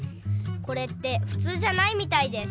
これってふつうじゃないみたいです。